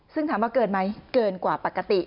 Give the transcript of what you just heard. ซึ่งถามว่าเกินไหมเกินกว่าปกติ